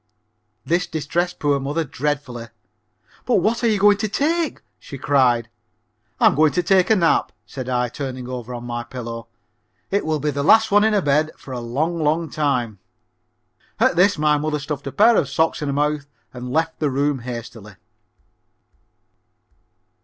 This distressed poor mother dreadfully. "But what are you going to take?" she cried. "I'm going to take a nap," said I, turning over on my pillow. "It will be the last one in a bed for a long, long time." At this mother stuffed a pair of socks in her mouth and left the room hastily.